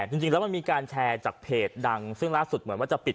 จริงแล้วมันมีการแชร์จากเพจดังซึ่งล่าสุดเหมือนว่าจะปิด